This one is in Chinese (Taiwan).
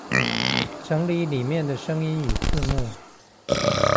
整理裡面的聲音與字幕